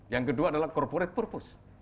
yang kedua adalah corporate purpose